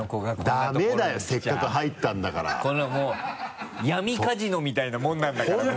ダメだよせっかく入ったんだからこんなもう闇カジノみたいなもんなんだからほぼ。